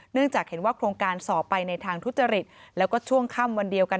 จากเห็นว่าโครงการสอบไปในทางทุจริตแล้วก็ช่วงค่ำวันเดียวกัน